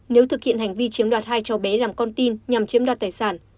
nếu thực hiện hành vi chiếm đoạt hai cháu bé làm con tin nhằm chiếm đoạt tài sản